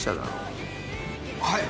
はい！